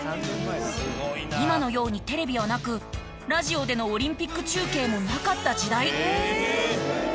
今のようにテレビはなくラジオでのオリンピック中継もなかった時代。